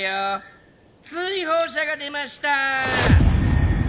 追放者が出ました！